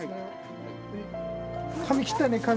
髪切ったね髪。